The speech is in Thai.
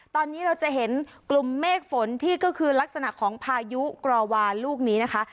ตอนนี้เราจะเห็นกลุ่มเมฆฝนที่ก็คือลักษณะของพายุกรอวาลูกนี้นะคะ